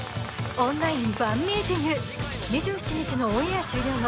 オンラインファン・ミーティング２７日のオンエア終了後